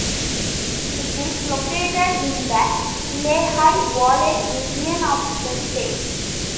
It is located in the Lehigh Valley region of the state.